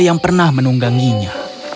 yang pernah menungganginya